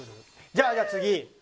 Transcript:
じゃあじゃあ次。